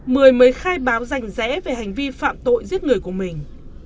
mười mới khai báo rành rẽ về hành vi phạm tội giết người của mình